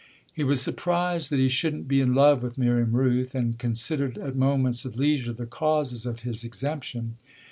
He was surprised that he shouldn't be in love with Miriam Rooth and considered at moments of leisure the causes of his exemption.